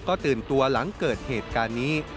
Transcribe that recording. ก็ตื่นตัวหลังเกิดเหตุการณ์นี้